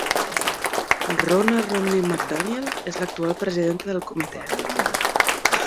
Ronna Romney McDaniel és l'actual presidenta del comitè.